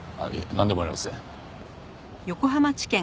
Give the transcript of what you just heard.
なんでもありません。